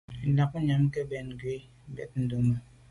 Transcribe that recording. Lagnyam ke mbèn ngù wut ben ndume.